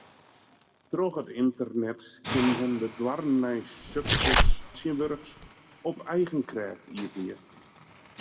Troch it ynternet kin men de doarren nei sukses tsjintwurdich op eigen krêft iepenje.